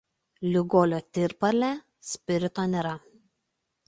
Liugolio tirpale spirito nėra.